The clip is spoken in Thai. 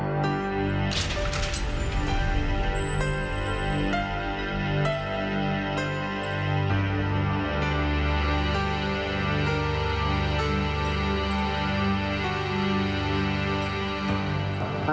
เรื่องนี้ค่ะ